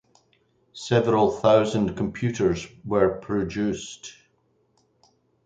Several thousand computers were produced.